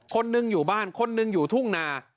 คนหนึ่งอยู่บ้านคนหนึ่งอยู่ทุ่งนา